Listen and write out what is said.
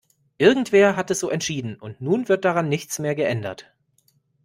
Irgendwer hat es so entschieden, und nun wird daran nichts mehr geändert.